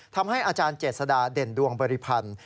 อาจารย์เจษฎาเด่นดวงบริพันธ์